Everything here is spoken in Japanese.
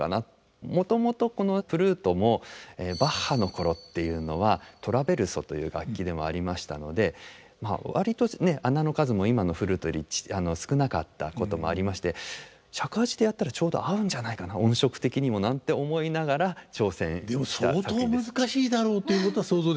もともとこのフルートもバッハの頃っていうのはトラヴェルソという楽器でもありましたので割と孔の数も今のフルートより少なかったこともありまして尺八でやったらちょうど合うんじゃないかな音色的にもなんて思いながら挑戦した作品です。